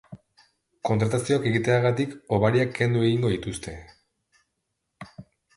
Kontratazioak egiteagatik hobariak kendu egingo dituzte.